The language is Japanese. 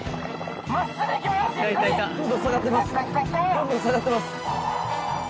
どんどん下がってます。